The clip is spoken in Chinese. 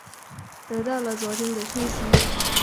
得到了昨天的讯息